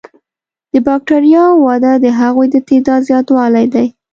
د بکټریاوو وده د هغوی د تعداد زیاتوالی دی.